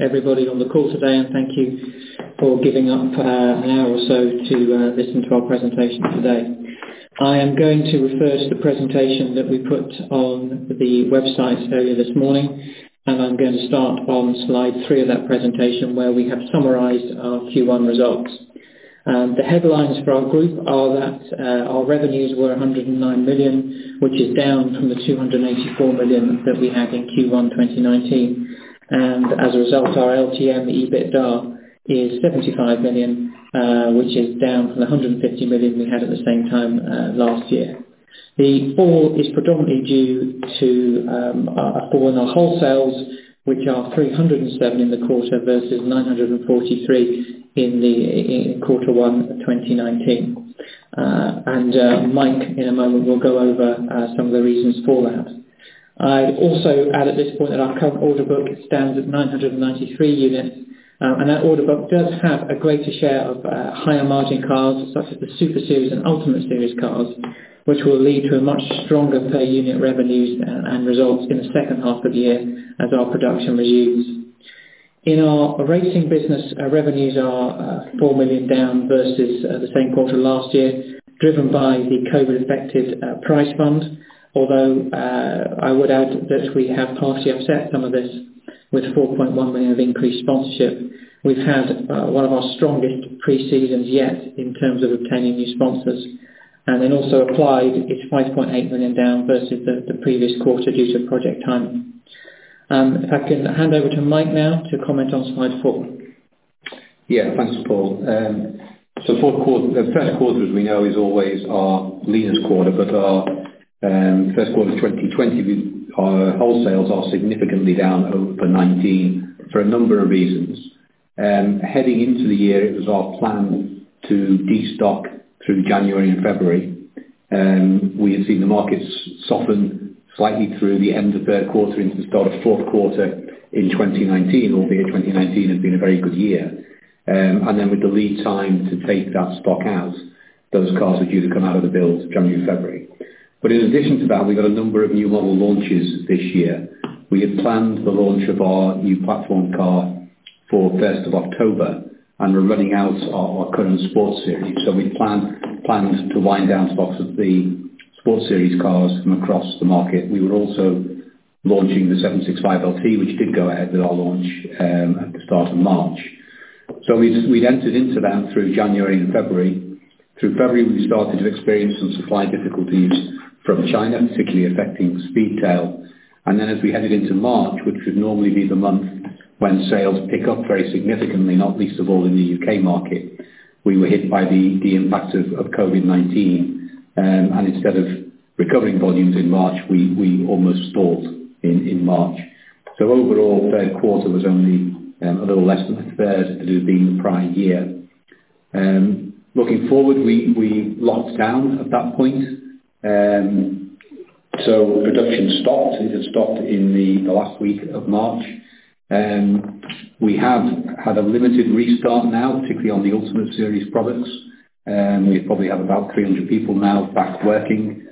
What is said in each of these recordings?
Everybody on the call today, and thank you for giving up an hour or so to listen to our presentation today. I am going to refer to the presentation that we put on the website earlier this morning, and I'm going to start on slide three of that presentation, where we have summarized our Q1 results. The headlines for our group are that our revenues were 109 million, which is down from the 284 million that we had in Q1 2019. As a result, our LTM EBITDA is 75 million, which is down from the 150 million we had at the same time last year. The fall is predominantly due to a fall in our wholesales, which are 307 in the quarter versus 943 in Q1 of 2019. Mike, in a moment, will go over some of the reasons for that. I also add at this point that our current order book stands at 993 units. That order book does have a greater share of higher margin cars, such as the Super Series and Ultimate Series cars, which will lead to a much stronger per unit revenues and results in the second half of the year as our production resumes. In our racing business, our revenues are 4 million down versus the same quarter last year, driven by the COVID-affected prize fund, although I would add that we have partially offset some of this with 4.1 million of increased sponsorship. We've had one of our strongest pre-seasons yet in terms of obtaining new sponsors. Also Applied, it's 5.8 million down versus the previous quarter due to project timing. If I can hand over to Mike now to comment on slide four. Thanks, Paul. The first quarter, as we know, is always our leanest quarter, but our first quarter 2020, our wholesales are significantly down over 2019 for a number of reasons. Heading into the year, it was our plan to de-stock through January and February. We had seen the markets soften slightly through the end of third quarter into the start of fourth quarter in 2019, albeit 2019 had been a very good year. Then with the lead time to take that stock out, those cars were due to come out of the build January, February. In addition to that, we've got a number of new model launches this year. We had planned the launch of our new platform car for 1st of October, and we're running out our current Sports Series. We planned to wind down stocks of the Sports Series cars from across the market. We were also launching the 765LT, which did go ahead with our launch at the start of March. We'd entered into that through January and February. Through February, we started to experience some supply difficulties from China, particularly affecting Speedtail. As we headed into March, which would normally be the month when sales pick up very significantly, not least of all in the U.K. market, we were hit by the impact of COVID-19. Instead of recovering volumes in March, we almost stalled in March. Overall, third quarter was only a little less than the third it had been the prior year. Looking forward, we locked down at that point. Production stopped. It had stopped in the last week of March. We have had a limited restart now, particularly on the Ultimate Series products. We probably have about 300 people now back working.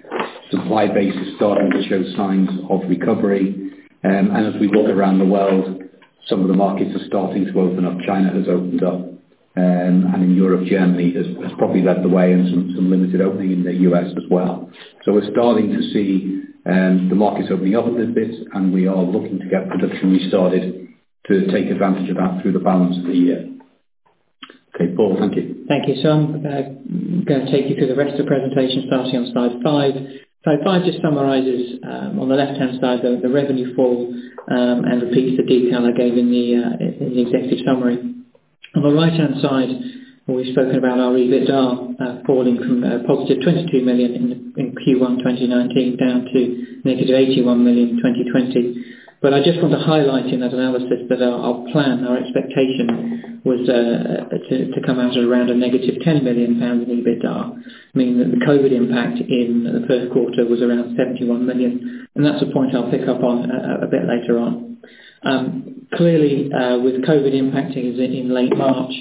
Supply base is starting to show signs of recovery. As we look around the world, some of the markets are starting to open up. China has opened up, and in Europe, Germany has probably led the way and some limited opening in the U.S. as well. We're starting to see the markets opening up a little bit, and we are looking to get production restarted to take advantage of that through the balance of the year. Okay, Paul, thank you. Thank you. I'm going to take you through the rest of the presentation, starting on slide five. Slide five just summarizes, on the left-hand side, the revenue fall, and repeats the detail I gave in the executive summary. On the right-hand side, we've spoken about our EBITDA falling from a positive 22 million in Q1 2019 down to negative 81 million in 2020. I just want to highlight in that analysis that our plan, our expectation was to come out at around a negative 10 million pounds in EBITDA, meaning that the COVID impact in the first quarter was around 71 million. That's a point I'll pick up on a bit later on. Clearly, with COVID impacting us in late March,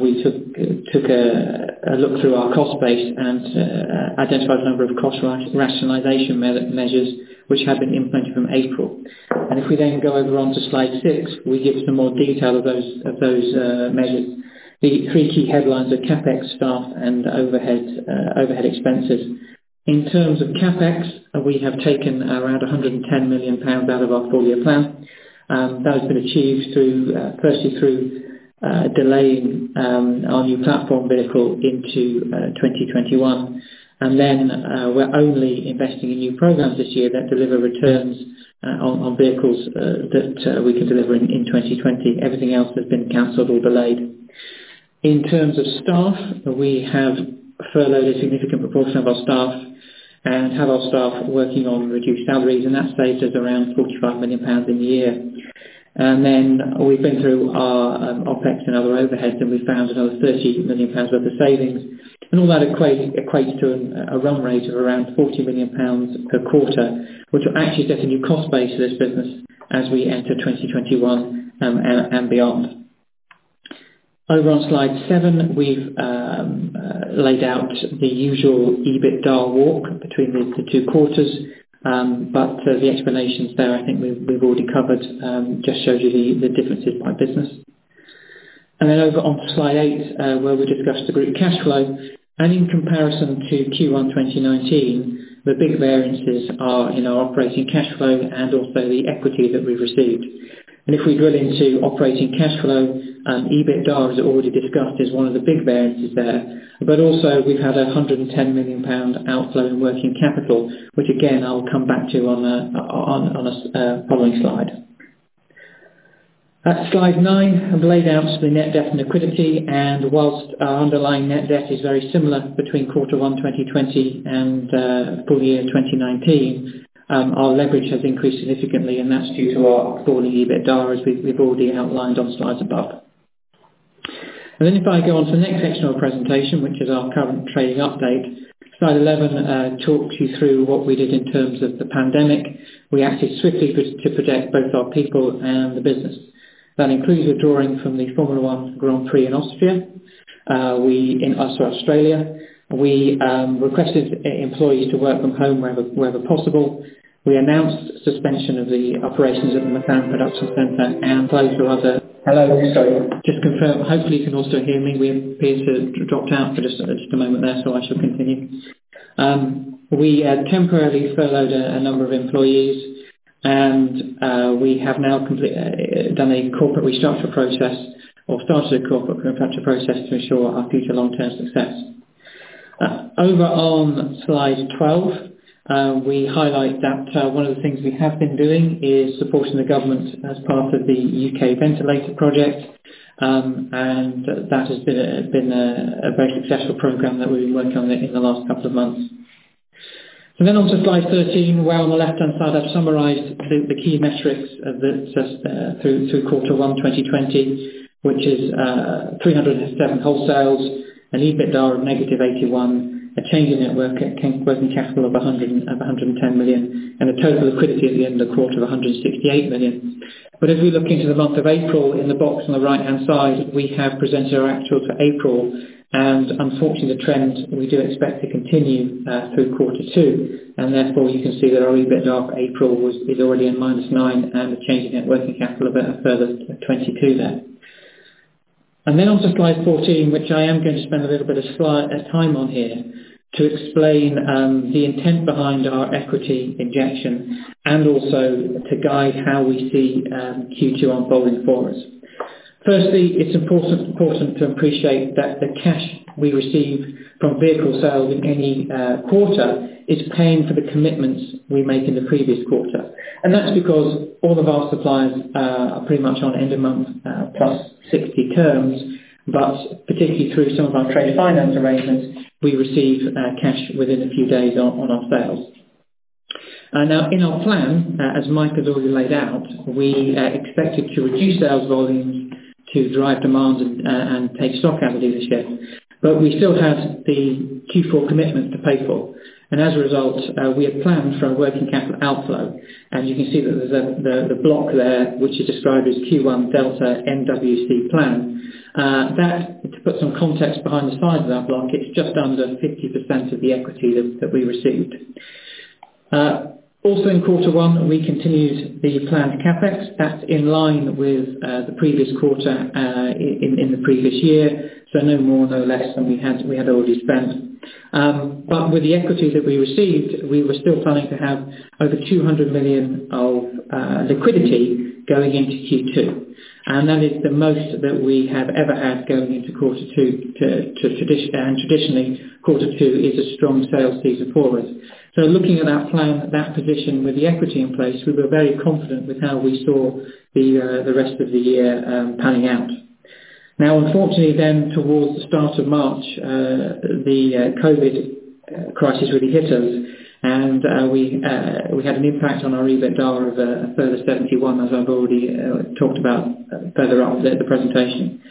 we took a look through our cost base and identified a number of cost rationalization measures which have been implemented from April. If we then go over onto slide six, we give some more detail of those measures. The three key headlines are CapEx, staff, and overhead expenses. In terms of CapEx, we have taken around 110 million pounds out of our full year plan. That has been achieved firstly through delaying our new platform vehicle into 2021. Then we're only investing in new programs this year that deliver returns on vehicles that we can deliver in 2020. Everything else has been canceled or delayed. In terms of staff, we have furloughed a significant proportion of our staff and have our staff working on reduced salaries, and that saves us around GBP 45 million in a year. Then we've been through our OpEx and other overheads, and we found another 30 million pounds worth of savings. All that equates to a run rate of around 40 million pounds per quarter, which will actually set a new cost base for this business as we enter 2021, and beyond. Over on slide seven, we've laid out the usual EBITDA walk between the two quarters. The explanations there, I think we've already covered, just shows you the differences by business. Over on slide eight, where we discuss the group cash flow. In comparison to Q1 2019, the big variances are in our operating cash flow and also the equity that we received. If we drill into operating cash flow, EBITDA, as already discussed, is one of the big variances there. Also we've had 110 million pound outflow in working capital, which again, I'll come back to on the following slide. At slide nine, I've laid out the net debt and liquidity, and whilst our underlying net debt is very similar between Q1 2020 and full year 2019, our leverage has increased significantly, and that's due to our falling EBITDA, as we've already outlined on slides above. Then if I go on to the next section of our presentation, which is our current trading update. Slide 11 talks you through what we did in terms of the pandemic. We acted swiftly to protect both our people and the business. That included drawing from the Formula 1 Grand Prix in Australia. We, in Australia. We requested employees to work from home wherever possible. We announced suspension of the operations at the McLaren Production Centre. Hello. Sorry. Just to confirm, hopefully you can also hear me. We appeared to have dropped out for just a moment there, so I shall continue. We temporarily furloughed a number of employees, and we have now started a corporate restructure process to ensure our future long-term success. Over on slide 12, we highlight that one of the things we have been doing is supporting the government as part of the Ventilator Challenge UK, and that has been a very successful program that we've been working on in the last couple of months. On to slide 13, where on the left-hand side, I've summarized the key metrics through Q1 2020, which is 307 wholesales, an EBITDA of negative 81, a change in net working capital of 110 million, and a total liquidity at the end of the quarter of 168 million. If we look into the month of April, in the box on the right-hand side, we have presented our actuals for April. Unfortunately, the trend we do expect to continue through Q2. Therefore, you can see that our EBITDA for April is already in minus 9 and the change in net working capital of a further 22 there. Then on to slide 14, which I am going to spend a little bit of time on here to explain the intent behind our equity injection and also to guide how we see Q2 unfolding for us. It's important to appreciate that the cash we receive from vehicle sales in any quarter is paying for the commitments we make in the previous quarter. That's because all of our suppliers are pretty much on end of month plus 60 terms. Particularly through some of our trade finance arrangements, we receive cash within a few days on our sales. In our plan, as Mike has already laid out, we expected to reduce sales volume to drive demand and take stock out of the dealership. We still have the Q4 commitment to pay for. As a result, we had planned for a working capital outflow. You can see that there's the block there, which is described as Q1 delta NWC plan. To put some context behind the size of that block, it's just under 50% of the equity that we received. In Q1, we continued the planned CapEx that's in line with the previous quarter in the previous year, so no more, no less than we had already spent. With the equity that we received, we were still planning to have over 200 million of liquidity going into Q2, and that is the most that we have ever had going into Q2. Traditionally, Q2 is a strong sales season for us. Looking at our plan, that position with the equity in place, we were very confident with how we saw the rest of the year panning out. Now unfortunately, towards the start of March, the COVID-19 crisis really hit us, and we had an impact on our EBITDA of a further 71 as I've already talked about further on the presentation.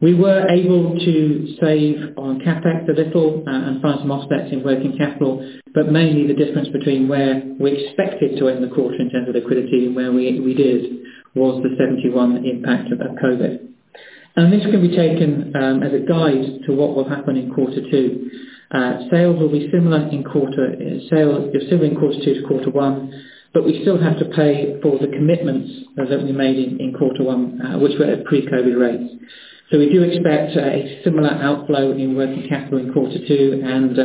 We were able to save on CapEx a little and find some offsets in working capital. Mainly the difference between where we expected to end the quarter in terms of liquidity and where we did was the 71 impact of COVID-19. This can be taken as a guide to what will happen in Q2. Sales will be similar in Q2 to Q1, but we still have to pay for the commitments that we made in Q1, which were at pre-COVID rates. We do expect a similar outflow in working capital in Q2 and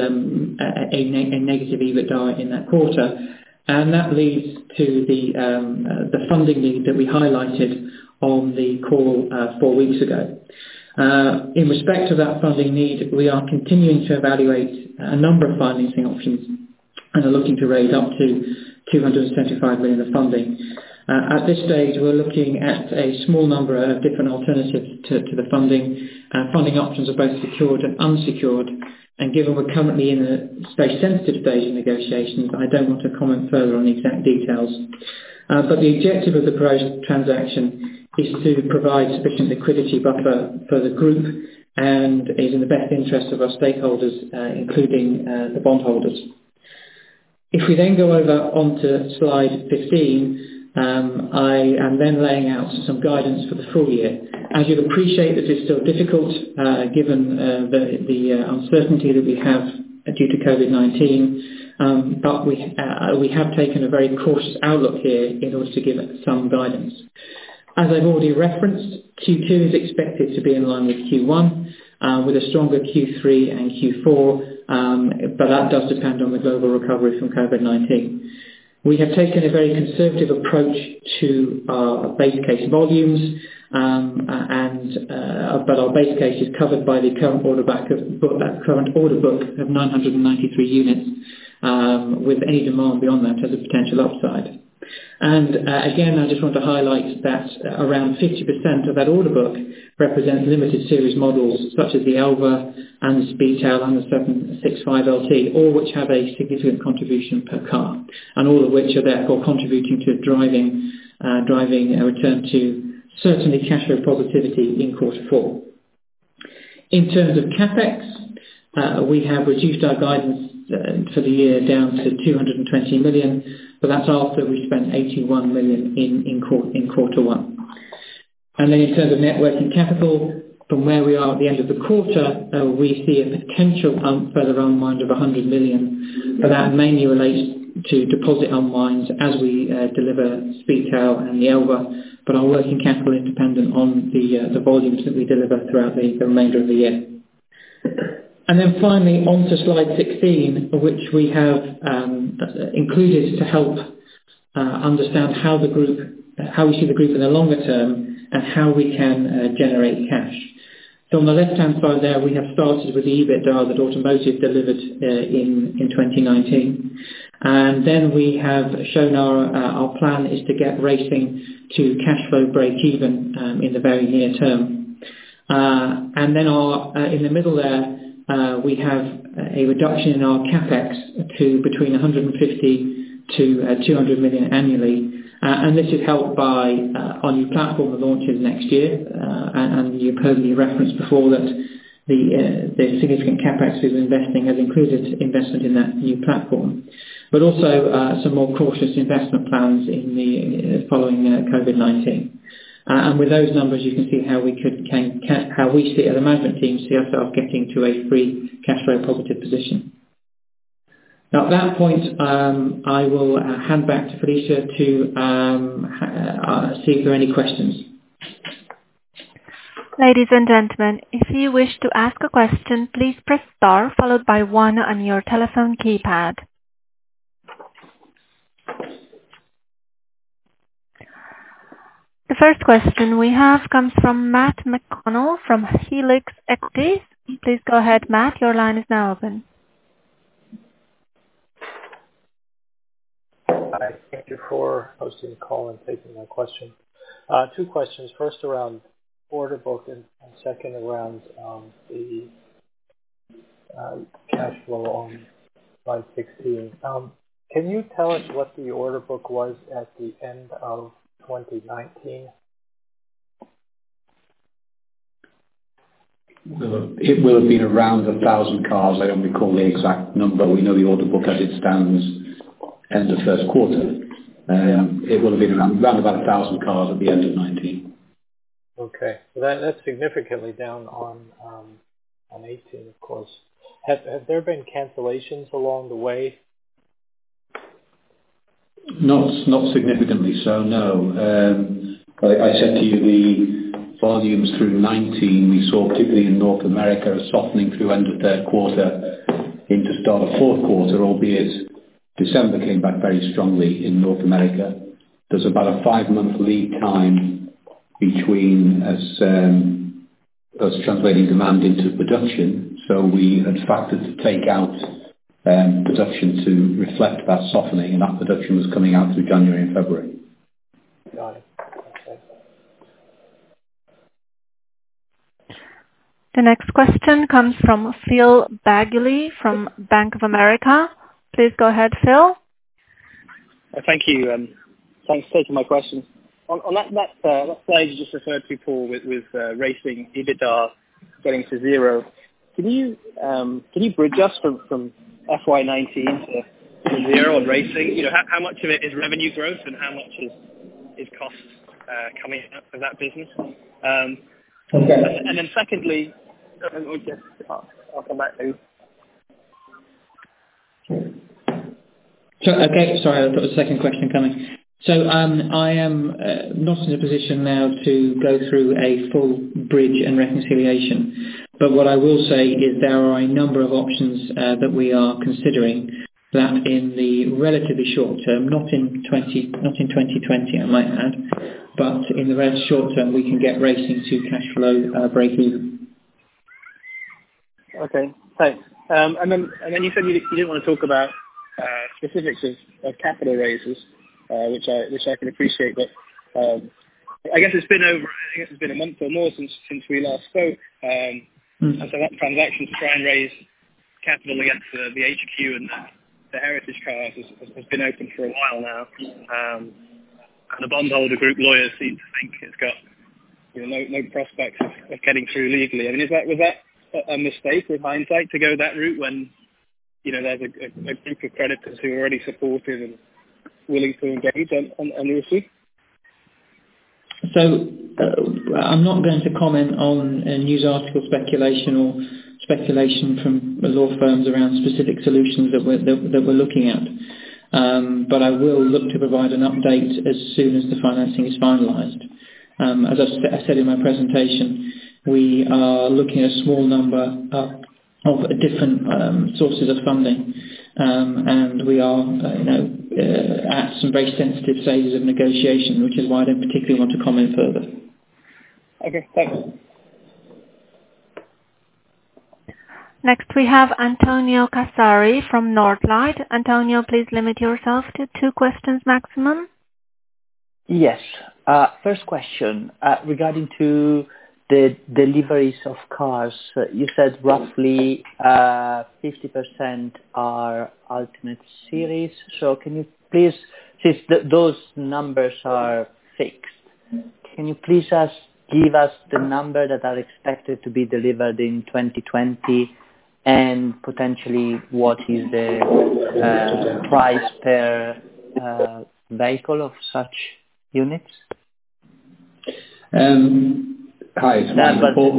a negative EBITDA in that quarter. That leads to the funding need that we highlighted on the call four weeks ago. In respect to that funding need, we are continuing to evaluate a number of financing options and are looking to raise up to 275 million of funding. At this stage, we're looking at a small number of different alternatives to the funding. Funding options are both secured and unsecured, and given we're currently in a very sensitive stage of negotiations, I don't want to comment further on the exact details. The objective of the proposed transaction is to provide sufficient liquidity buffer for the group and is in the best interest of our stakeholders, including the bondholders. If we go over onto slide 15, I am laying out some guidance for the full year. As you'll appreciate, this is still difficult given the uncertainty that we have due to COVID-19. We have taken a very cautious outlook here in order to give some guidance. As I've already referenced, Q2 is expected to be in line with Q1 with a stronger Q3 and Q4, that does depend on the global recovery from COVID-19. We have taken a very conservative approach to our base case volumes, but our base case is covered by the current order book of 993 units, with any demand beyond that as a potential upside. Again, I just want to highlight that around 50% of that order book represents limited series models such as the Elva and the Speedtail and the 765LT, all which have a significant contribution per car, and all of which are therefore contributing to driving a return to certainly cash flow positivity in Q4. In terms of CapEx, we have reduced our guidance for the year down to 220 million, but that's after we spent 81 million in Q1. In terms of net working capital, from where we are at the end of the quarter, we see a potential further unwind of 100 million. That mainly relates to deposit unwinds as we deliver Speedtail and the Elva. Our working capital independent on the volumes that we deliver throughout the remainder of the year. Finally, onto slide 16, which we have included to help understand how we see the group in the longer term and how we can generate cash. On the left-hand side there, we have started with the EBITDA that Automotive delivered in 2019. We have shown our plan is to get racing to cash flow breakeven in the very near term. In the middle there, we have a reduction in our CapEx to between 150 million-200 million annually. This is helped by our new platform that launches next year. You've heard me reference before that the significant CapEx we've been investing has included investment in that new platform. Also some more cautious investment plans following COVID-19. With those numbers, you can see how we see, or the management team see ourselves getting to a free cash flow positive position. At that point, I will hand back to Felicia to see if there are any questions. Ladies and gentlemen, if you wish to ask a question, please press star followed by one on your telephone keypad. The first question we have comes from Matt McConnell from Helix Equities. Please go ahead, Matt. Your line is now open. Hi. Thank you for hosting the call and taking my question. Two questions. First around order book and second around the cash flow on slide 16. Can you tell us what the order book was at the end of 2019? It will have been around 1,000 cars. I don't recall the exact number. We know the order book as it stands end of first quarter. It will have been around about 1,000 cars at the end of 2019. Okay. That's significantly down on 2018, of course. Have there been cancellations along the way? Not significantly so, no. I said to you the volumes through 2019 we saw particularly in North America, a softening through end of third quarter into the start of fourth quarter, albeit December came back very strongly in North America. There's about a five-month lead time between us translating demand into production. We had factored to take out production to reflect that softening and that production was coming out through January and February. Got it. Okay. The next question comes from [Phil Bagley] from Bank of America. Please go ahead, Phil. Thank you. Thanks for taking my question. On that slide you just referred to, Paul, with racing EBITDA getting to zero, can you bridge us from FY 2019 to zero on racing? How much of it is revenue growth and how much is cost coming out of that business? Okay. Secondly, or just I'll come back to. Okay. Sorry, I've got a second question coming. I am not in a position now to go through a full bridge and reconciliation, but what I will say is there are a number of options that we are considering that in the relatively short term, not in 2020 I might add, but in the very short term, we can get racing to cash flow breakeven. Okay, thanks. You said you didn't want to talk about specifics of capital raises, which I can appreciate, but I guess it's been over, I think it's been a month or more since we last spoke. That transaction to try and raise capital against the HQ and the Heritage Collection has been open for a while now. Yeah. The bondholder group lawyers seem to think it's got no prospects of getting through legally. Was that a mistake with hindsight to go that route when there's a group of creditors who already supported and willing to engage on the issue? I'm not going to comment on news article speculation or speculation from law firms around specific solutions that we're looking at. I will look to provide an update as soon as the financing is finalized. As I said in my presentation, we are looking at a small number of different sources of funding. We are at some very sensitive stages of negotiation, which is why I don't particularly want to comment further. Okay. Thanks. Next, we have Antonio Casari from Northlight. Antonio, please limit yourself to two questions maximum. Yes. First question, regarding to the deliveries of cars. You said roughly 50% are Ultimate Series. Can you please, since those numbers are fixed, can you please give us the number that are expected to be delivered in 2020 and potentially what is the price per vehicle of such units? Hi. Yeah. What Paul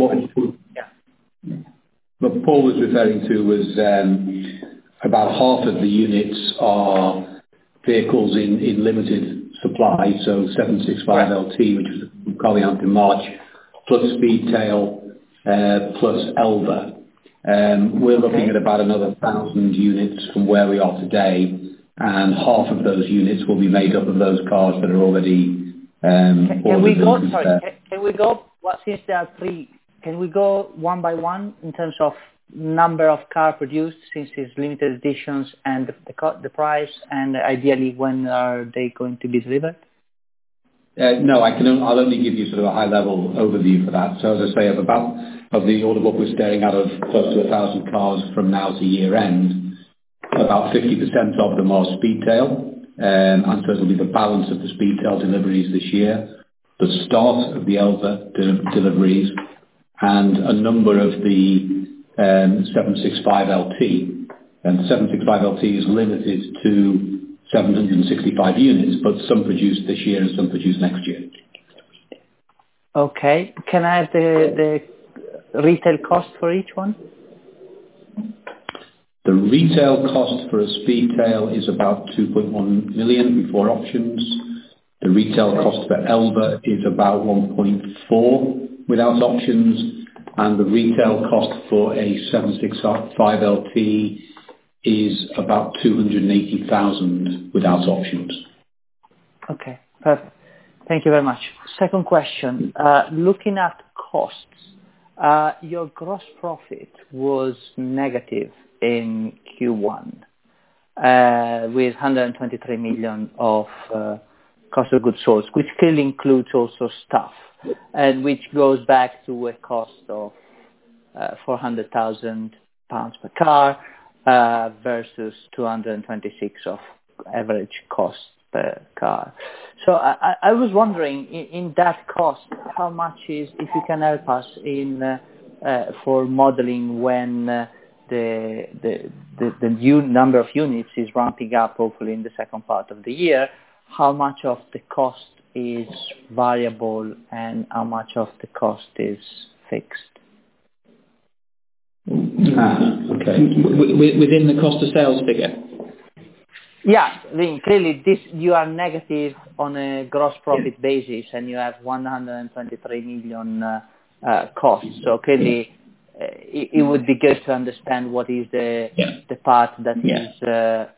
was referring to was about half of the units are vehicles in limited supply. 765LT, which was probably out in March, plus Speedtail, plus Elva. Okay. We're looking at about another 1,000 units from where we are today, and half of those units will be made up of those cars that are already built. Sorry. Since there are three, can we go one by one in terms of number of car produced since it's limited editions, and the price, and ideally, when are they going to be delivered? No. I'll only give you sort of a high level overview for that. As I say, of the order book, we're staring out of close to 1,000 cars from now to year end. About 50% of them are Speedtail, it'll be the balance of the Speedtail deliveries this year, the start of the Elva deliveries, and a number of the 765LT. The 765LT is limited to 765 units, some produced this year and some produced next year. Okay. Can I have the retail cost for each one? The retail cost for a Speedtail is about 2.1 million before options. The retail cost for Elva is about 1.4 without options, and the retail cost for a 765LT is about 280,000 without options. Okay, perfect. Thank you very much. Second question. Looking at costs, your gross profit was negative in Q1, with 123 million of cost of goods sold, which still includes also staff, and which goes back to a cost of 400,000 pounds per car, versus 226 of average cost per car. I was wondering, in that cost, if you can help us for modeling when the new number of units is ramping up, hopefully in the second part of the year, how much of the cost is variable and how much of the cost is fixed? Okay. Within the cost of sales figure? Yeah. Clearly, you are negative on a gross profit basis, and you have 123 million costs. Clearly, it would be good to understand. Yeah. The part that is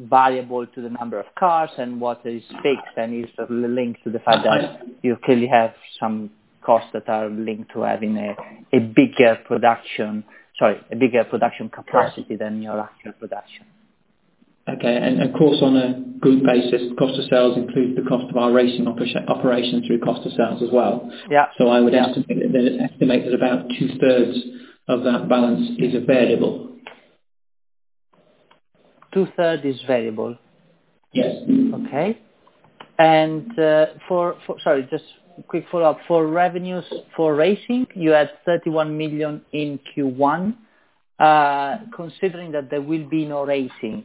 variable to the number of cars and what is fixed and is linked to the fact that you clearly have some costs that are linked to having a bigger production capacity than your actual production. Okay. Of course, on a group basis, cost of sales includes the cost of our racing operations through cost of sales as well. Yeah. I would estimate that about 2/3 of that balance is a variable. 2/3 is variable? Yes. Okay. Sorry, just a quick follow-up. For revenues for racing, you had 31 million in Q1. Considering that there will be no racing,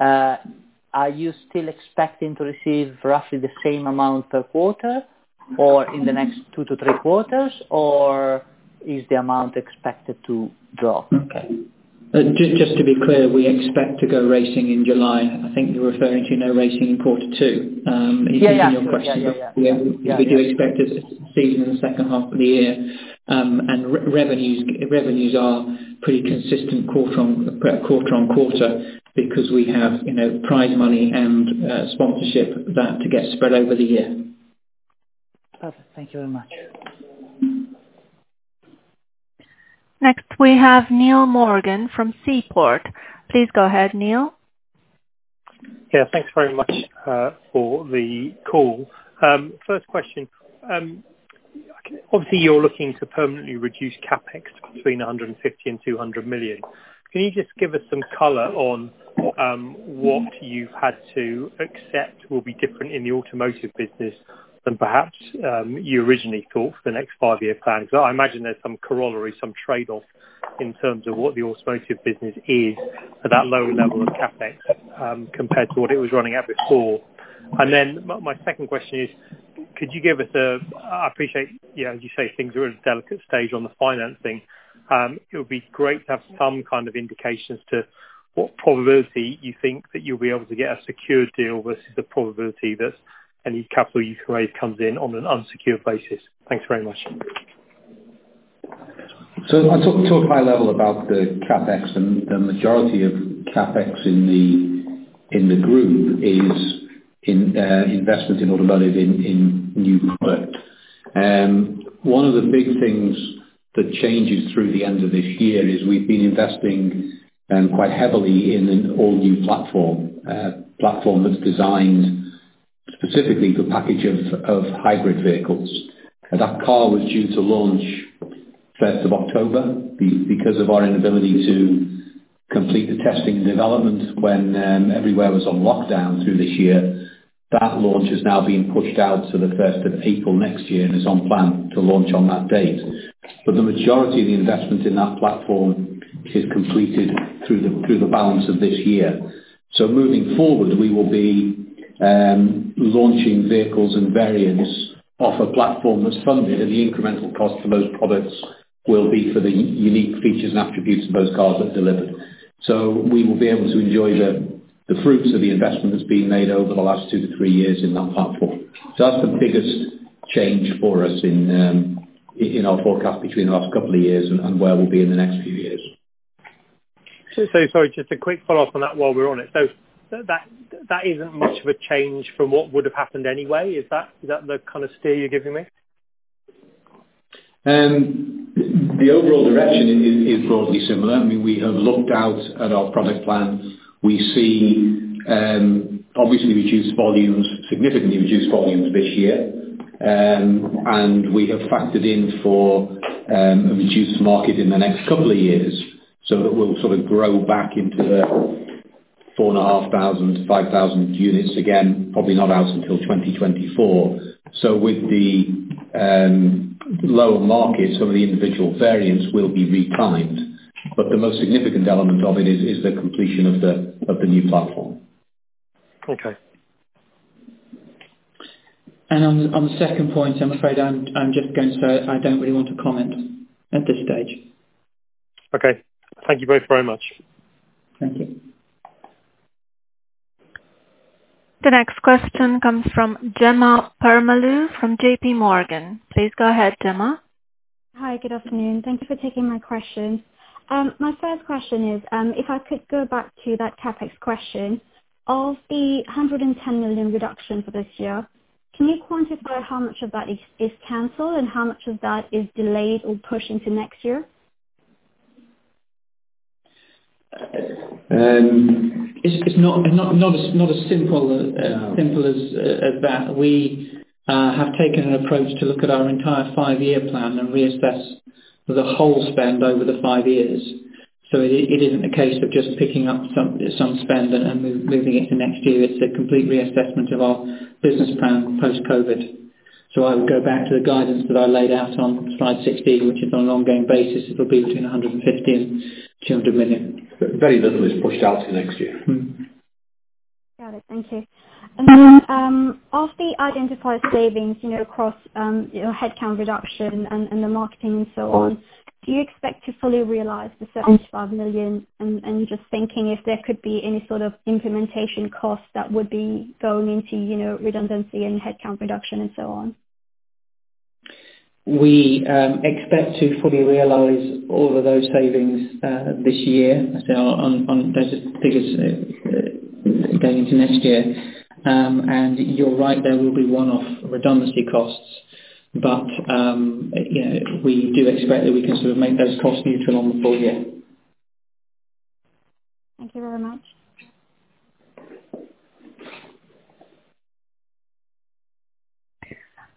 are you still expecting to receive roughly the same amount per quarter or in the next two to three quarters, or is the amount expected to drop? Just to be clear, we expect to go racing in July. I think you're referring to no racing in Q2 in your question. Yeah. We do expect a season in the second half of the year. Revenues are pretty consistent quarter on quarter because we have prize money and sponsorship that get spread over the year. Perfect. Thank you very much. Next, we have Neil Morgan from Seaport. Please go ahead, Neil. Yeah. Thanks very much for the call. First question. Obviously, you're looking to permanently reduce CapEx between 150 million and 200 million. Can you just give us some color on what you've had to accept will be different in the Automotive business than perhaps you originally thought for the next five-year plan? I imagine there's some corollary, some trade-off in terms of what the Automotive business is at that lower level of CapEx compared to what it was running at before. My second question is, I appreciate as you say, things are at a delicate stage on the financing. It would be great to have some kind of indication as to what probability you think that you'll be able to get a secured deal versus the probability that any capital you can raise comes in on an unsecured basis. Thanks very much. I talk high level about the CapEx. The majority of CapEx in the group is investment in Automotive in new product. One of the big things that changes through the end of this year is we've been investing quite heavily in an all-new platform. A platform that's designed specifically for package of hybrid vehicles. That car was due to launch 1st of October. Because of our inability to complete the testing and development when everywhere was on lockdown through this year, that launch has now been pushed out to the 1st of April next year and is on plan to launch on that date. The majority of the investment in that platform is completed through the balance of this year. Moving forward, we will be launching vehicles and variants off a platform that's funded, and the incremental cost for those products will be for the unique features and attributes of those cars that are delivered. We will be able to enjoy the fruits of the investment that's been made over the last two to three years in that platform. That's the biggest change for us in our forecast between the last couple of years and where we'll be in the next few years. Sorry, just a quick follow-up on that while we're on it. That isn't much of a change from what would have happened anyway. Is that the kind of steer you're giving me? The overall direction is broadly similar. We have looked out at our product plan. We see obviously reduced volumes, significantly reduced volumes this year. We have factored in for a reduced market in the next couple of years, so that we'll sort of grow back into the 4,500-5,000 units again, probably not out until 2024. With the lower market, some of the individual variants will be re-timed. The most significant element of it is the completion of the new platform. Okay. On the second point, I'm afraid I'm just going to say I don't really want to comment at this stage. Okay. Thank you both very much. Thank you. The next question comes from Jemma Permalloo from JP Morgan. Please go ahead, Jemma. Hi. Good afternoon. Thank you for taking my question. My first question is, if I could go back to that CapEx question. Of the 110 million reduction for this year, can you quantify how much of that is canceled and how much of that is delayed or pushed into next year? It's not as simple as that. We have taken an approach to look at our entire five-year plan and reassess the whole spend over the five years. It isn't a case of just picking up some spend and moving it to next year. It's a complete reassessment of our business plan post-COVID. I would go back to the guidance that I laid out on slide 16, which is on an ongoing basis, it'll be between 150 million and 200 million. Very little is pushed out to next year. Got it. Thank you. Of the identified savings across headcount reduction and the marketing and so on, do you expect to fully realize the 75 million? Just thinking if there could be any sort of implementation cost that would be going into redundancy and headcount reduction and so on. We expect to fully realize all of those savings this year. I say on those figures going into next year. You're right, there will be one-off redundancy costs. We do expect that we can sort of make those costs neutral on the full year. Thank you very much.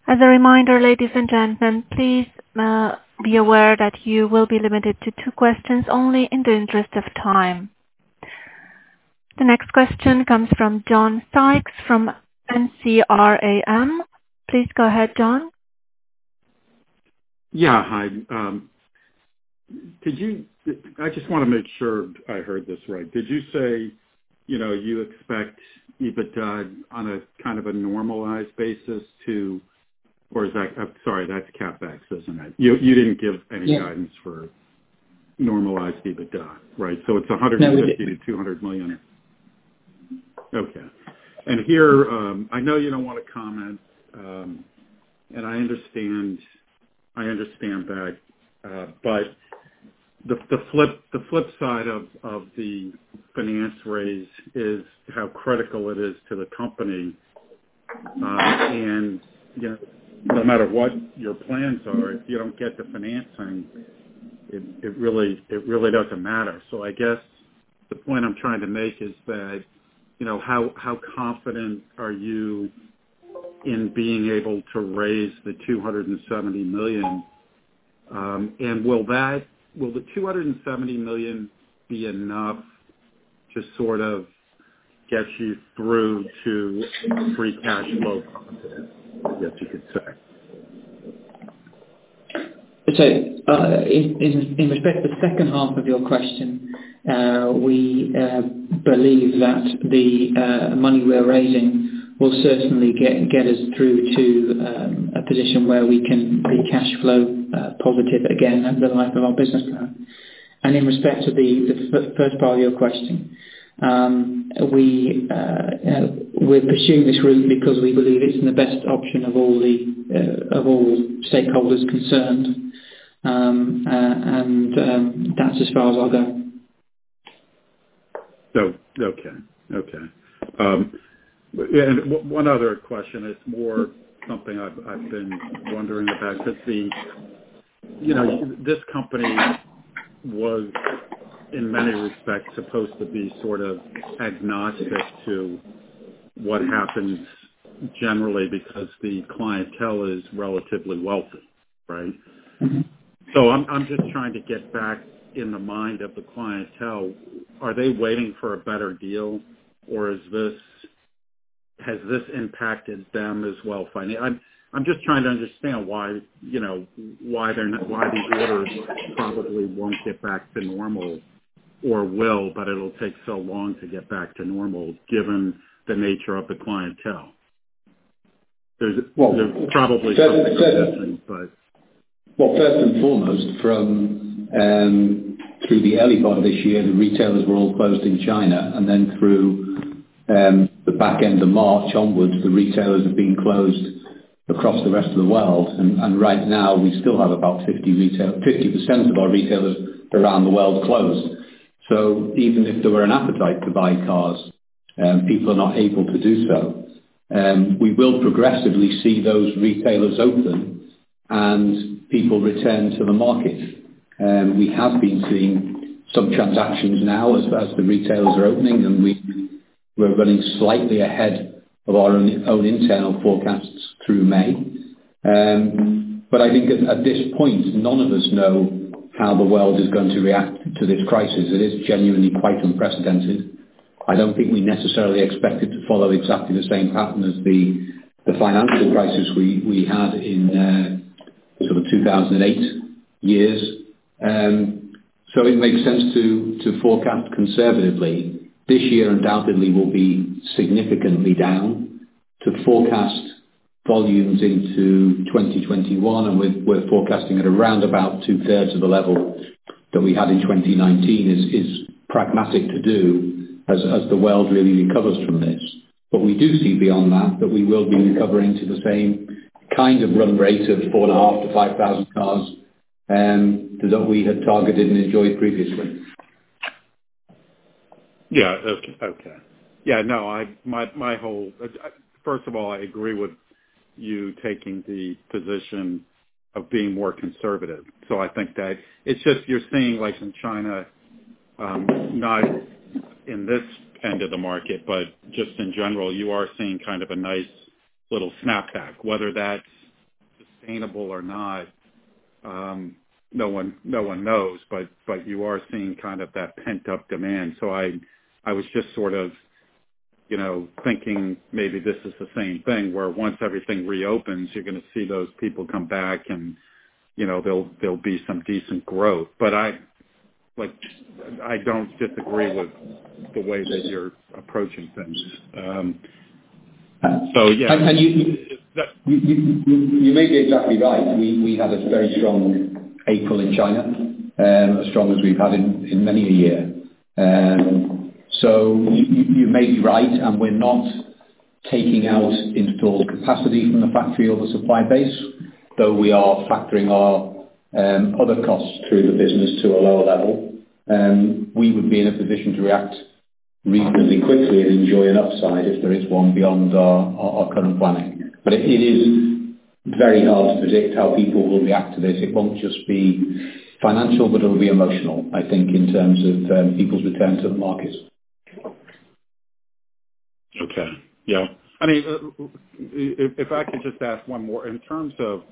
As a reminder, ladies and gentlemen, please be aware that you will be limited to two questions only in the interest of time. The next question comes from John Sykes from NCRAM. Please go ahead, John. Yeah. Hi. I just want to make sure I heard this right. Did you say you expect EBITDA on a kind of a normalized basis or sorry, that's CapEx, isn't it? You didn't give any- Yeah. Guidance for normalized EBITDA, right? It's 150 million-200 million. Okay. Here, I know you don't want to comment, and I understand that, but the flip side of the finance raise is how critical it is to the company. No matter what your plans are, if you don't get the financing, it really doesn't matter. I guess The point I'm trying to make is that, how confident are you in being able to raise the 270 million? Will the 270 million be enough to sort of get you through to free cash flow confidence, I guess you could say? In respect to the second half of your question, we believe that the money we are raising will certainly get us through to a position where we can be cash flow positive again over the life of our business plan. In respect to the first part of your question, we're pursuing this route because we believe it's in the best option of all stakeholders concerned. That's as far as I'll go. Okay. One other question, it's more something I've been wondering about. This company was, in many respects, supposed to be sort of agnostic to what happens generally because the clientele is relatively wealthy, right? I'm just trying to get back in the mind of the clientele. Are they waiting for a better deal? Has this impacted them as well financially? I'm just trying to understand why these orders probably won't get back to normal or will, but it'll take so long to get back to normal given the nature of the clientele. There's probably something. Well, first and foremost, through the early part of this year, the retailers were all closed in China. Then through the back end of March onwards, the retailers have been closed across the rest of the world. Right now, we still have about 50% of our retailers around the world closed. Even if there were an appetite to buy cars, people are not able to do so. We will progressively see those retailers open and people return to the market. We have been seeing some transactions now as the retailers are opening, and we're running slightly ahead of our own internal forecasts through May. I think at this point, none of us know how the world is going to react to this crisis. It is genuinely quite unprecedented. I don't think we necessarily expect it to follow exactly the same pattern as the financial crisis we had in sort of 2008 years. It makes sense to forecast conservatively. This year undoubtedly will be significantly down to forecast volumes into 2021. We're forecasting at around about 2/3 of the level that we had in 2019 is pragmatic to do as the world really recovers from this. We do see beyond that we will be recovering to the same kind of run rate of 4,500 to 5,000 cars to that we had targeted and enjoyed previously. Yeah. Okay. First of all, I agree with you taking the position of being more conservative. I think that it's just, you're seeing, like in China, not in this end of the market, but just in general, you are seeing kind of a nice little snap back. Whether that's sustainable or not, no one knows, but you are seeing kind of that pent-up demand. I was just sort of thinking maybe this is the same thing, where once everything reopens, you're going to see those people come back and there'll be some decent growth. I don't disagree with the way that you're approaching things. Yeah. You may be exactly right. We had a very strong April in China, as strong as we've had in many a year. You may be right, and we're not taking out installed capacity from the factory or the supply base, though we are factoring our other costs through the business to a lower level. We would be in a position to react reasonably quickly and enjoy an upside if there is one beyond our current planning. It is very hard to predict how people will react to this. It won't just be financial, but it'll be emotional, I think, in terms of people's return to the market. Okay. Yeah. If I could just ask one more. In terms of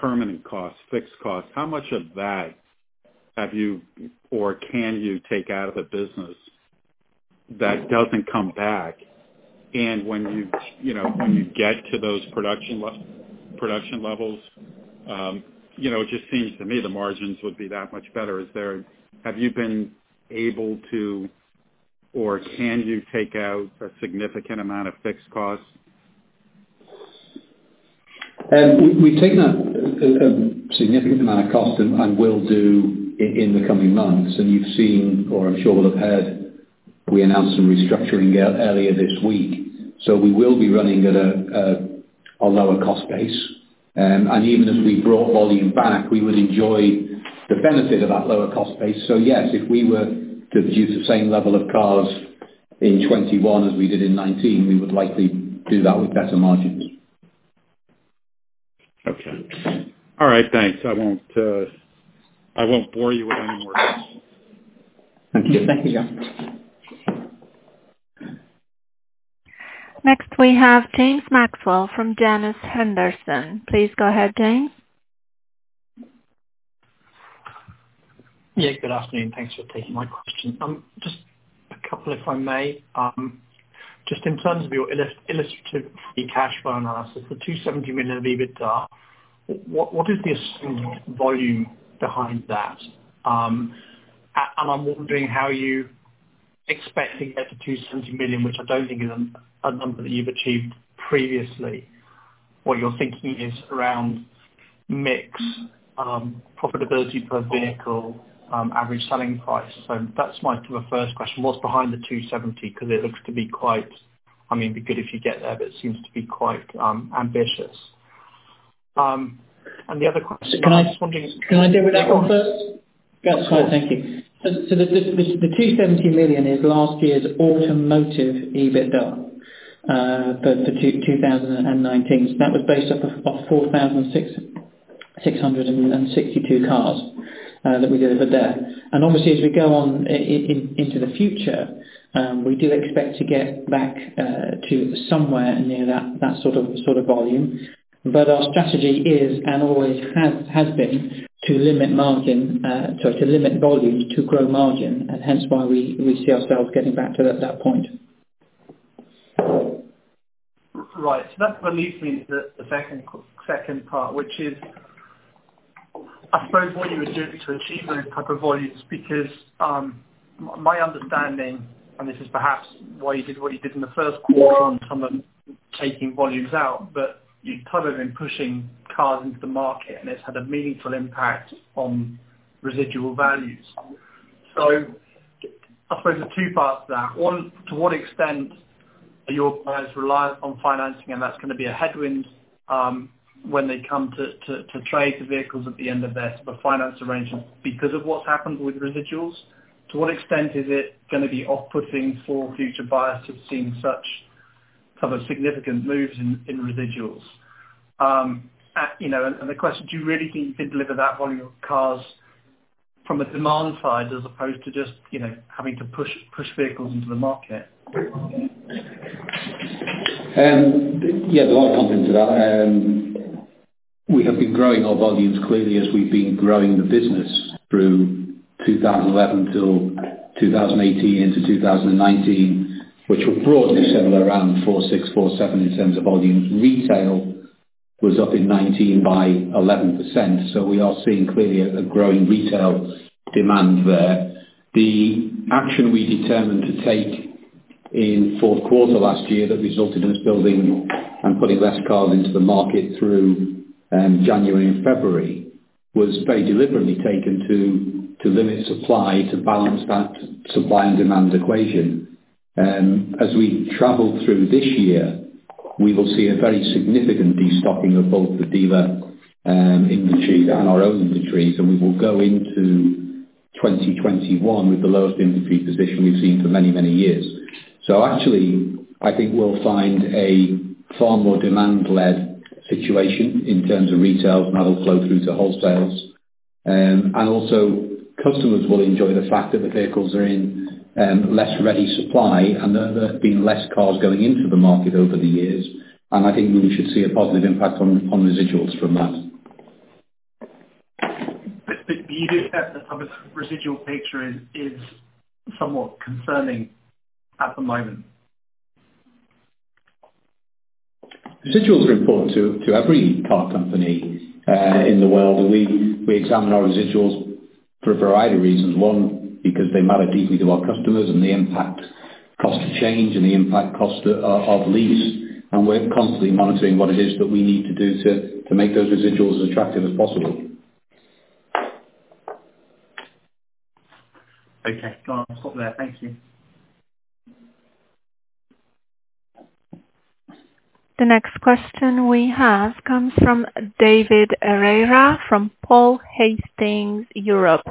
permanent costs, fixed costs, how much of that have you or can you take out of the business that doesn't come back? When you get to those production levels, it just seems to me the margins would be that much better. Have you been able to, or can you take out a significant amount of fixed costs? We've taken a significant amount of cost and will do in the coming months. You've seen, or I'm sure will have heard, we announced some restructuring earlier this week. We will be running at a lower cost base. Even as we brought volume back, we would enjoy the benefit of that lower cost base. Yes, if we were to produce the same level of cars in 2021 as we did in 2019, we would likely do that with better margins. Okay. All right, thanks. I won't bore you with any more questions. Thank you. Thank you. Next we have James Maxwell from Janus Henderson. Please go ahead, James. Good afternoon. Thanks for taking my question. Just a couple if I may. Just in terms of your illustrative free cash flow analysis, the 270 million of EBITDA, what is the assumed volume behind that? I'm wondering how you expecting that the 270 million, which I don't think is a number that you've achieved previously, what you're thinking is around mix profitability per vehicle, average selling price. That's my first question. What's behind the 270? Because it looks to be quite. It'd be good if you get there, but it seems to be quite ambitious. The other question I was just wondering. Can I deal with that one first? Yeah, sure. Thank you. The 270 million is last year's Automotive EBITDA for 2019. That was based off of 4,662 cars that we delivered there. Obviously, as we go on into the future, we do expect to get back to somewhere near that sort of volume. Our strategy is, and always has been, to limit volume to grow margin, and hence why we see ourselves getting back to that point. That leads me into the second part, which is, I suppose what you are doing to achieve those type of volumes. My understanding, and this is perhaps why you did what you did in the first quarter on taking volumes out, but you've carried on pushing cars into the market, and it's had a meaningful impact on residual values. I suppose there are two parts to that. One, to what extent are your buyers reliant on financing and that's going to be a headwind when they come to trade the vehicles at the end of their finance arrangement because of what's happened with residuals? To what extent is it going to be off-putting for future buyers who've seen such significant moves in residuals? The question, do you really think you can deliver that volume of cars from a demand side as opposed to just having to push vehicles into the market? Yeah, I'll jump into that. We have been growing our volumes clearly as we've been growing the business through 2011 till 2018 into 2019, which were broadly similar around 4,600, 4,700 in terms of volumes. Retail was up in 2019 by 11%. So we are seeing clearly a growing retail demand there. The action we determined to take in fourth quarter last year that resulted in us building and putting less cars into the market through January and February was very deliberately taken to limit supply, to balance that supply and demand equation. As we travel through this year, we will see a very significant de-stocking of both the dealer inventories and our own inventories, and we will go into 2021 with the lowest inventory position we've seen for many, many years. Actually, I think we'll find a far more demand-led situation in terms of retails, and that'll flow through to wholesales. Also customers will enjoy the fact that the vehicles are in less ready supply and there have been less cars going into the market over the years. I think we should see a positive impact on residuals from that. Do you accept the public residual picture is somewhat concerning at the moment? Residuals are important to every car company in the world. We examine our residuals for a variety of reasons. One, because they matter deeply to our customers and they impact cost of change and they impact cost of lease. We're constantly monitoring what it is that we need to do to make those residuals as attractive as possible. Okay. No, I'll stop there. Thank you. The next question we have comes from David Ereira from Paul Hastings Europe.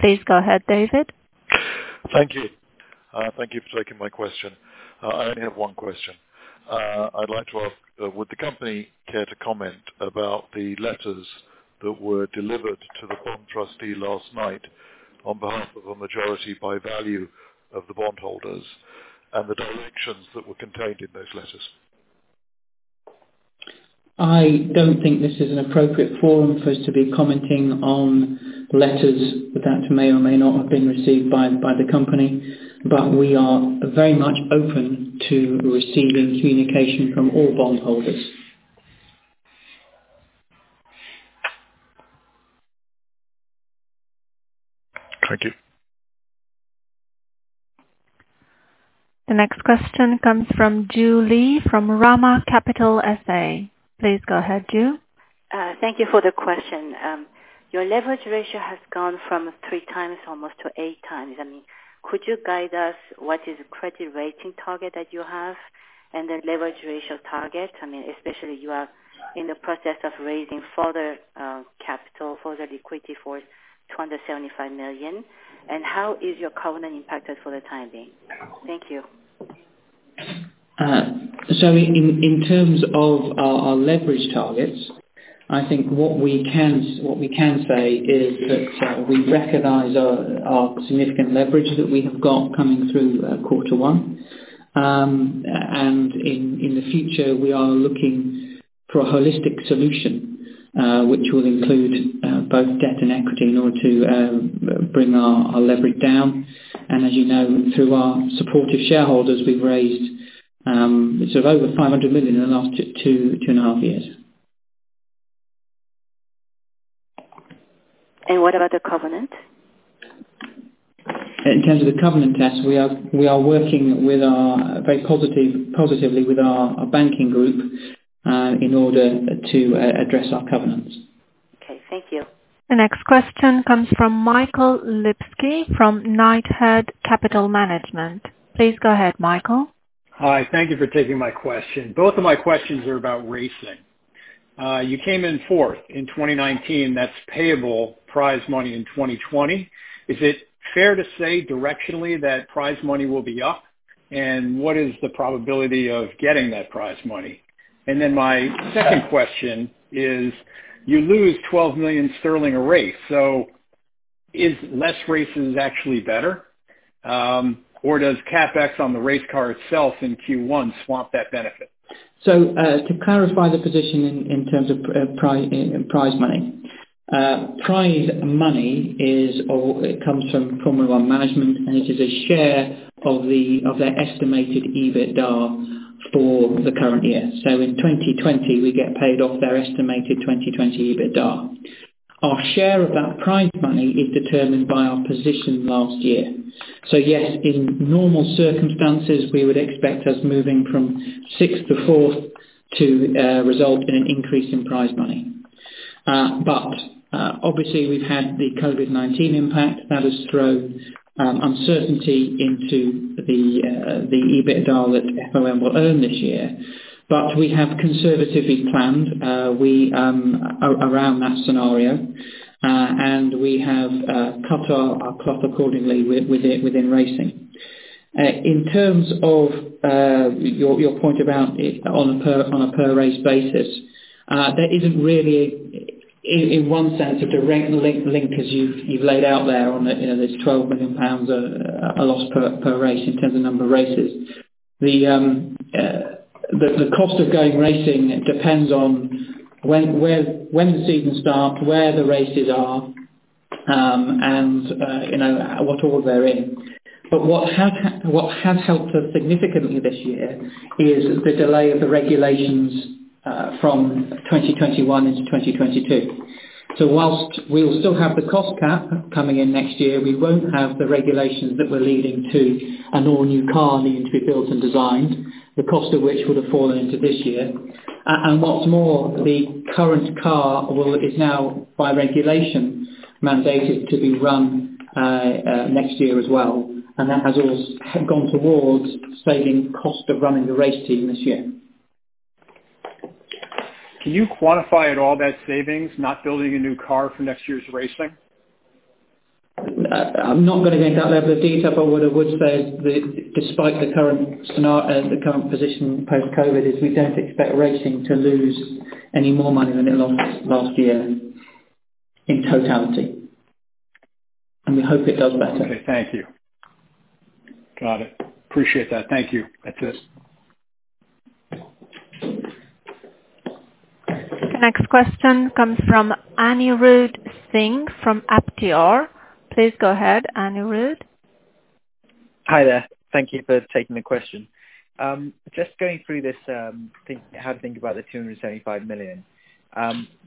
Please go ahead, David. Thank you. Thank you for taking my question. I only have one question. I'd like to ask, would the company care to comment about the letters that were delivered to the bond trustee last night on behalf of a majority by value of the bondholders, and the directions that were contained in those letters? I don't think this is an appropriate forum for us to be commenting on letters that may or may not have been received by the company, but we are very much open to receiving communication from all bondholders. Thank you. The next question comes from [Ju Li] from RAM Capital SA. Please go ahead, Ju. Thank you for the question. Your leverage ratio has gone from 3x almost to 8x. Could you guide us what is the credit rating target that you have and the leverage ratio target? Especially you are in the process of raising further capital, further liquidity for 275 million. How is your covenant impacted for the time being? Thank you. In terms of our leverage targets, I think what we can say is that we recognize our significant leverage that we have got coming through Q1. In the future, we are looking for a holistic solution, which will include both debt and equity in order to bring our leverage down. As you know, through our supportive shareholders, we've raised over 500 million in the last two and a half years. What about the covenant? In terms of the covenant, yes, we are working very positively with our banking group in order to address our covenants. Okay, thank you. The next question comes from Michael Lipsky from Knighthead Capital Management. Please go ahead, Michael. Hi. Thank you for taking my question. Both of my questions are about racing. You came in fourth in 2019. That's payable prize money in 2020. Is it fair to say directionally that prize money will be up? What is the probability of getting that prize money? My second question is, you lose 12 million sterling a race, is less races actually better? Does CapEx on the race car itself in Q1 swamp that benefit? To clarify the position in terms of prize money. Prize money comes from Formula One Management, and it is a share of their estimated EBITDA for the current year. In 2020, we get paid off their estimated 2020 EBITDA. Our share of that prize money is determined by our position last year. Yes, in normal circumstances, we would expect us moving from sixth to fourth to result in an increase in prize money. Obviously, we've had the COVID-19 impact that has thrown uncertainty into the EBITDA that FOM will earn this year. We have conservatively planned around that scenario, and we have cut our cloth accordingly within racing. In terms of your point about on a per-race basis, there isn't really, in one sense, a direct link as you've laid out there on this 12 million pounds loss per race in terms of number of races. The cost of going racing depends on when the season starts, where the races are, and what order they're in. What has helped us significantly this year is the delay of the regulations from 2021 into 2022. Whilst we will still have the cost cap coming in next year, we won't have the regulations that we're leading to an all-new car needing to be built and designed, the cost of which would have fallen into this year. What's more, the current car is now, by regulation, mandated to be run next year as well, and that has all gone towards saving cost of running the race team this year. Can you quantify at all that savings, not building a new car for next year's racing? I'm not going to go into that level of detail, but what I would say, despite the current position post-COVID-19, is we don't expect racing to lose any more money than it lost last year in totality. We hope it does better. Okay. Thank you. Got it. Appreciate that. Thank you. That's it. The next question comes from Anirudh Singh from Aptior. Please go ahead, Anirudh. Hi there. Thank you for taking the question. Just going through this, how to think about the 275 million.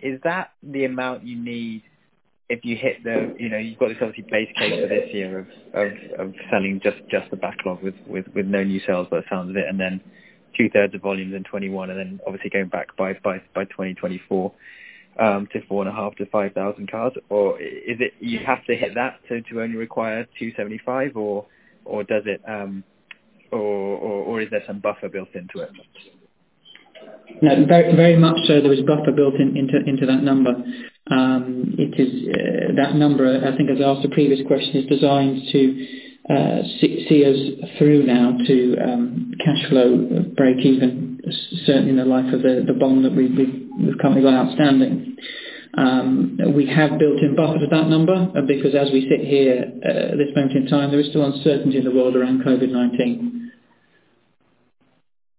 Is that the amount you need if you hit the You've got this obviously base case for this year of selling just the backlog with no new sales, by the sound of it, and then 2/3 of volumes in 2021, and then obviously going back by 2024, to 4,500-5,000 cars. Is it you have to hit that to only require 275? Is there some buffer built into it? No, very much so there is buffer built into that number. That number, I think as I asked the previous question, is designed to see us through now to cash flow breakeven, certainly in the life of the bond that we've currently got outstanding. We have built in buffer to that number because as we sit here at this moment in time, there is still uncertainty in the world around COVID-19.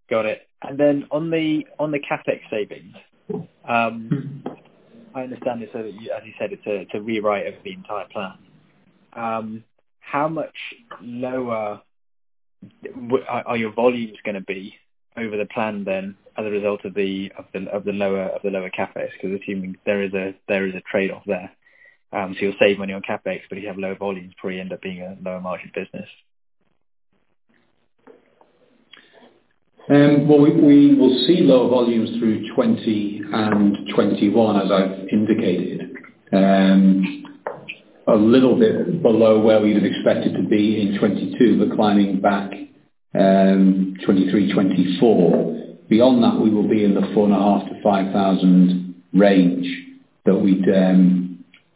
Got it. On the CapEx savings, I understand as you said, it's a rewrite of the entire plan. How much lower are your volumes going to be over the plan then as a result of the lower CapEx? Because assuming there is a trade-off there. You'll save money on CapEx, but you have lower volumes, so you probably end up being a lower margin business. Well, we will see lower volumes through 2020 and 2021, as I indicated. A little bit below where we would expect it to be in 2022, but climbing back 2023, 2024. Beyond that, we will be in the 4,500-5,000 range that we'd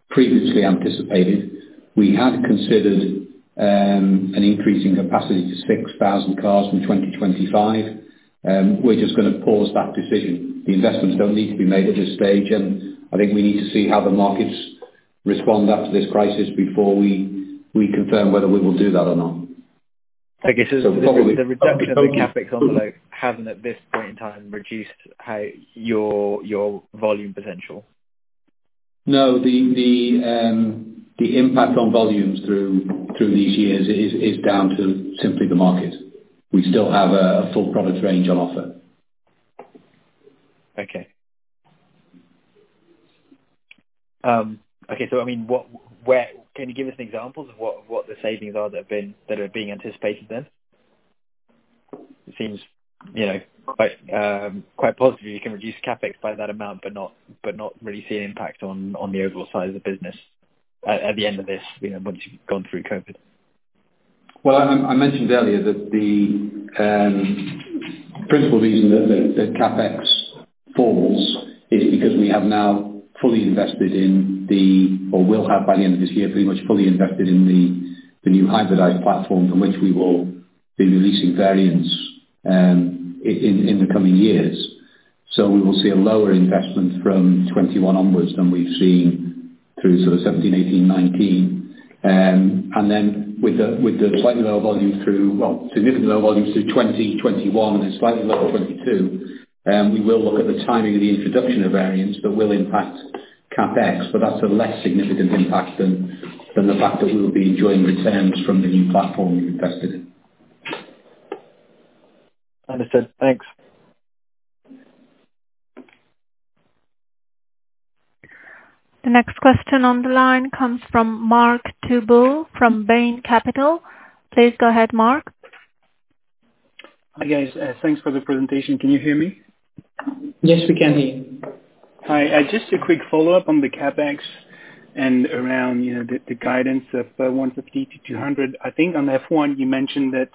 Previously anticipated. We had considered an increase in capacity to 6,000 cars from 2025. We're just going to pause that decision. The investments don't need to be made at this stage, I think we need to see how the markets respond after this crisis before we confirm whether we will do that or not. I guess the reduction in the CapEx envelope haven't, at this point in time, reduced your volume potential. No, the impact on volumes through these years is down to simply the market. We still have a full product range on offer. Okay. Can you give us examples of what the savings are that are being anticipated then? It seems quite positive you can reduce CapEx by that amount but not really see an impact on the overall size of the business at the end of this, once you've gone through COVID. Well, I mentioned earlier that the principal reason that CapEx falls is because we have now fully invested in the, or will have by the end of this year, pretty much fully invested in the new hybridized platform from which we will be releasing variants in the coming years. We will see a lower investment from 2021 onwards than we've seen through 2017, 2018, 2019. With the slightly lower volumes through well, significantly lower volumes through 2021 and slightly lower 2022, we will look at the timing of the introduction of variants that will impact CapEx, but that's a less significant impact than the fact that we will be enjoying returns from the new platform we've invested in. Understood. Thanks. The next question on the line comes from Marc Touboul from Bain Capital. Please go ahead, Marc. Hi, guys. Thanks for the presentation. Can you hear me? Yes, we can hear you. Hi. Just a quick follow-up on the CapEx and around the guidance of 150 million-200 million. I think on F1 you mentioned that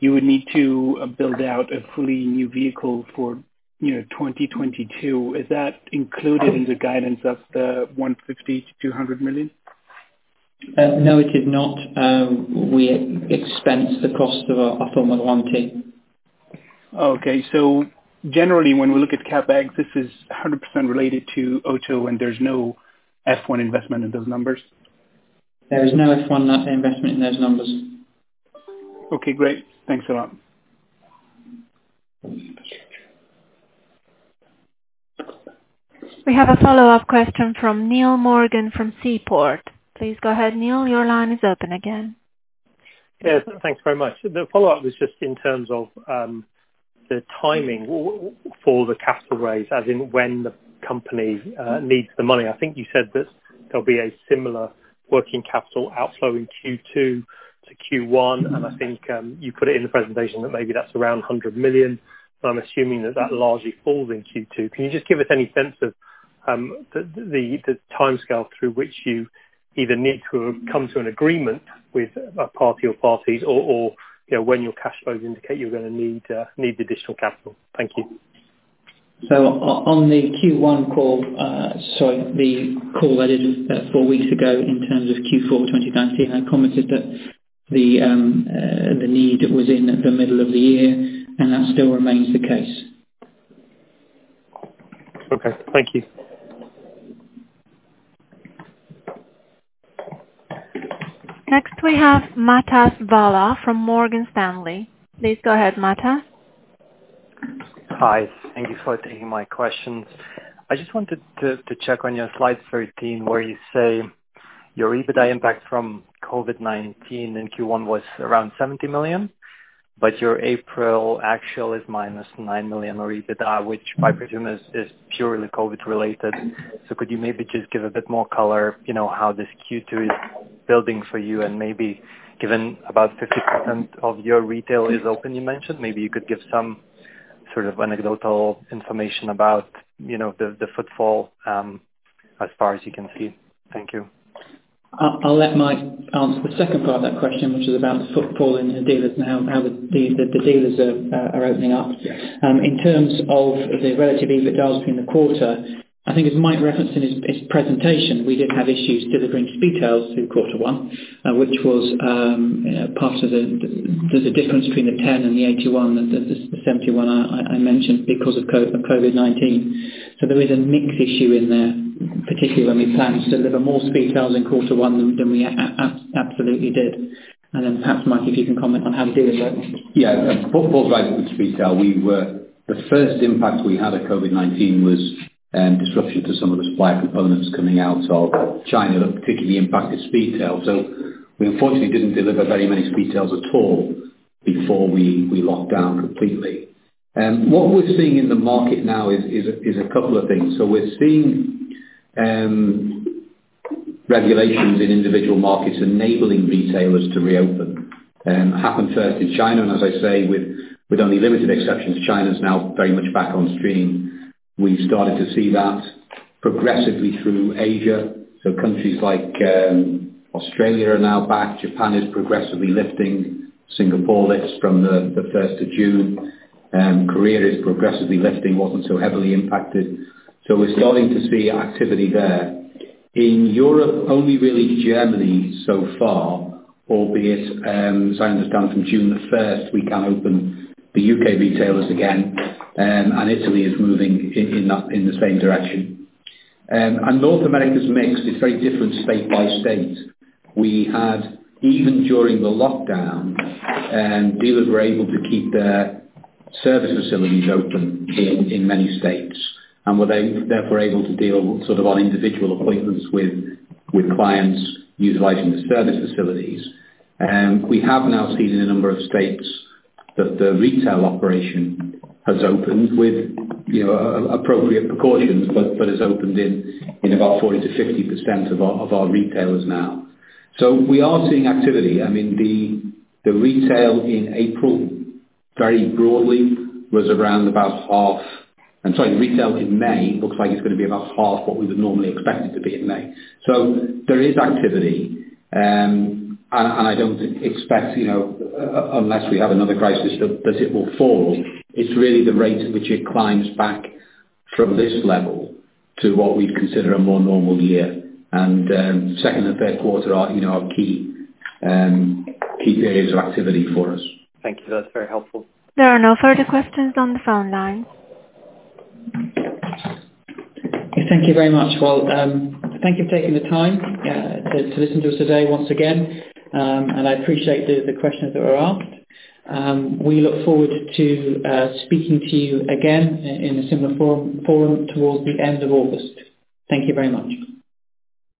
you would need to build out a fully new vehicle for 2022. Is that included in the guidance of the 150 million-200 million? No, it is not. We expense the cost of our Formula 1 team. Okay. Generally, when we look at CapEx, this is 100% related to Automotive, and there's no F1 investment in those numbers? There is no F1 investment in those numbers. Okay, great. Thanks a lot. We have a follow-up question from Neil Morgan from Seaport. Please go ahead, Neil. Your line is open again. Yes, thanks very much. The follow-up was just in terms of the timing for the capital raise, as in when the company needs the money. I think you said that there'll be a similar working capital outflow in Q2 to Q1, and I think you put it in the presentation that maybe that's around 100 million. I'm assuming that that largely falls in Q2. Can you just give us any sense of the timescale through which you either need to come to an agreement with a party or parties or when your cash flows indicate you're going to need additional capital? Thank you. On the Q1 call, sorry, the call I did four weeks ago in terms of Q4 2019, I commented that the need was in the middle of the year, and that still remains the case. Okay. Thank you. Next, we have Matas Vala from Morgan Stanley. Please go ahead, Matas. Hi. Thank you for taking my questions. I just wanted to check on your slide 13, where you say your EBITDA impact from COVID-19 in Q1 was around 70 million, but your April actual is -9 million or EBITDA, which I presume is purely COVID related. Could you maybe just give a bit more color how this Q2 is building for you and maybe given about 50% of your retail is open, you mentioned, maybe you could give some sort of anecdotal information about the footfall as far as you can see. Thank you. I'll let Mike answer the second part of that question, which is about the footfall in the dealers and how the dealers are opening up. In terms of the relative EBITDAs between the quarter, I think as Mike referenced in his presentation, we did have issues delivering Speedtails through Q1. There's a difference between the 10 and the 81, the 71 I mentioned because of COVID-19. There is a mix issue in there, particularly when we planned to deliver more Speedtails in Q1 than we absolutely did. Perhaps, Mike, if you can comment on how the dealers are. Yeah. Footfall is right with Speedtail. The first impact we had of COVID-19 was disruption to some of the supply components coming out of China that particularly impacted Speedtail. We unfortunately didn't deliver very many Speedtails at all before we locked down completely. What we're seeing in the market now is a couple of things. We're seeing regulations in individual markets enabling retailers to reopen. Happened first in China, and as I say with only limited exceptions, China's now very much back on stream. We started to see that progressively through Asia. Countries like Australia are now back. Japan is progressively lifting. Singapore lifts from the 1st of June. Korea is progressively lifting, wasn't so heavily impacted. We're starting to see activity there. In Europe, only really Germany so far, albeit as I understand from June the 1st, we can open the U.K. retailers again, and Italy is moving in the same direction. North America's mix is very different state by state. We had even during the lockdown, dealers were able to keep their service facilities open in many states and were therefore able to deal sort of on individual appointments with clients utilizing the service facilities. We have now seen in a number of states that the retail operation has opened with appropriate precautions, but has opened in about 40%-50% of our retailers now. We are seeing activity. I mean, I'm sorry, retail in May looks like it's going to be about half what we would normally expect it to be in May. There is activity, and I don't expect, unless we have another crisis, that it will fall. It's really the rate at which it climbs back from this level to what we'd consider a more normal year, and second and third quarter are our key areas of activity for us. Thank you. That's very helpful. There are no further questions on the phone line. Thank you very much. Well, thank you for taking the time to listen to us today once again, and I appreciate the questions that were asked. We look forward to speaking to you again in a similar forum towards the end of August. Thank you very much.